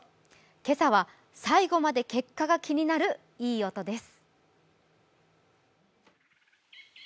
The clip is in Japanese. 今朝は最後まで結果が気になるいい音です。